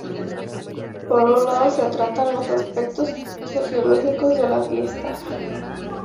Por un lado se tratan los aspectos sociológicos de la fiesta.